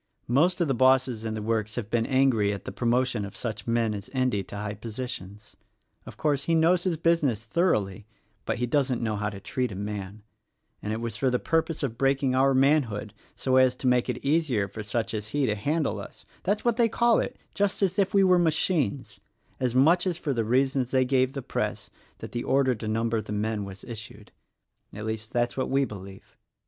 Most of the bosses in the works have been angry at the promotion of such men as Endy to high positions. Of course, he knows his business thoroughly, but he doesn't know how to treat a man; and it was for the purpose of breaking our manhood so as to make it easier for such as he to handle us — that's what they call it, just as if we were machines, — as much as for the reasons they gave the Press that the order to number the men was issued; — at least that's what we believe.